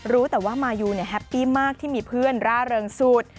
รู้แต่ว่ามายูแฮปปี้มากที่มีเพื่อนร่าเริงสุด